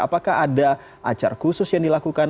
apakah ada acara khusus yang dilakukan